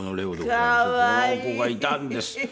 この子がいたんです。